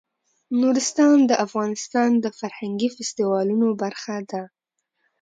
نورستان د افغانستان د فرهنګي فستیوالونو برخه ده.